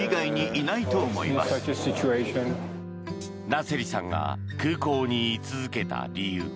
ナセリさんが空港に居続けた理由。